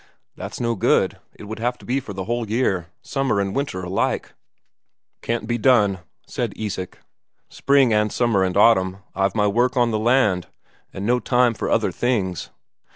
"That's no good. It would have to be for the whole year, summer and winter alike." "Can't be done," said Isak. "Spring and summer and autumn I've my work on the land, and no time for other things."